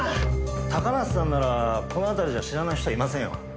高梨さんならこの辺りじゃ知らない人はいませんよ。